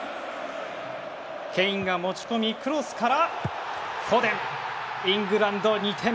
ケインが持ち込みクロスからフォデン！